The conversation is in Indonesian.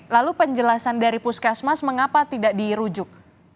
lalu penjelasan dari puskesmas mengapa tidak dirujuk